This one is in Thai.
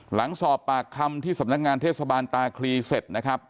หลังสอบปากคำที่สำนักงานเทศบาลตาคลีเสร็จนะครับ